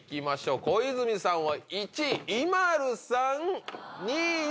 小泉さんは。